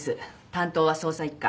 担当は捜査一課。